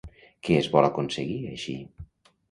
Què es vol aconseguir així?